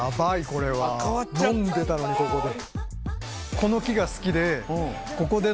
これは飲んでたのにここで。